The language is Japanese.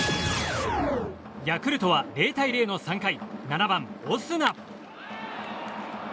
ヤクルトは０対０の３回７番、オスナ。